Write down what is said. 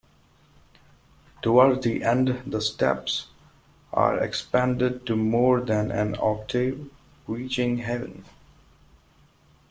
Towards the end, the steps are expanded to more than an octave, reaching Heaven.